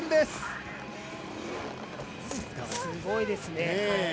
すごいですね！